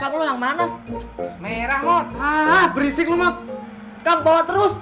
kamu yang mana merah berisik terus